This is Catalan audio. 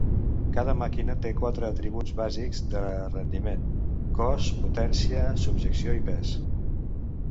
Cada màquina té quatre atributs bàsics de rendiment: cos, potència, subjecció i pes.